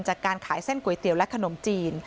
จากการขายเส้นก๋วยเตี๋ยวและขนมจีน